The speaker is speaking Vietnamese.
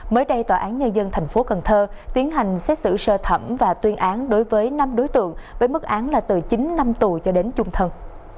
mới đây tòa án nhân dân tp cần thơ tiến hành xét xử sơ thẩm và tuyên án đối với năm đối tượng với mức án là từ chín năm tù cho đến chung thân